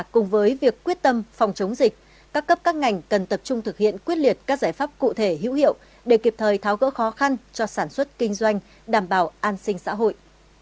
cùng với việc quyết tâm phòng chống dịch các cấp các ngành cần tập trung thực hiện quyết liệt các giải pháp cụ thể hữu hiệu để kịp thời tháo gỡ khó khăn cho sản xuất kinh doanh đảm bảo an sinh xã hội